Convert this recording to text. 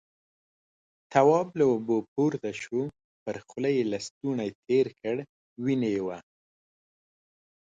تواب له اوبو پورته شو، پر خوله يې لستوڼی تېر کړ، وينې وه.